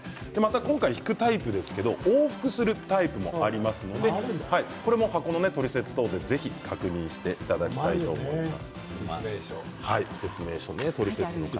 今回、引くタイプですが往復するタイプもありますのでこれも箱のトリセツ等でぜひ確認していただきたいと思います。